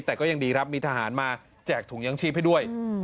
แต่ก็ยังดีครับมีทหารมาแจกถุงยังชีพให้ด้วย